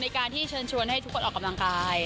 การที่เชิญชวนให้ทุกคนออกกำลังกาย